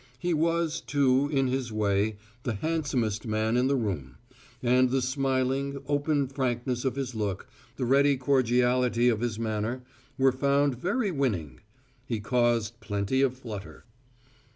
He was, too, in his way, the handsomest man in the room; and the smiling, open frankness of his look, the ready cordiality of his manner, were found very winning. He caused plenty of flutter.